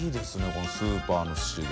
このスーパーの仕入れ。